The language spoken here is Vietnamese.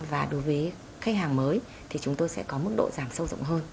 và đối với khách hàng mới thì chúng tôi sẽ có mức độ giảm sâu rộng hơn